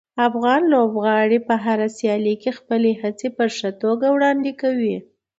افغان لوبغاړي په هره سیالي کې خپلې هڅې په ښه توګه وړاندې کوي.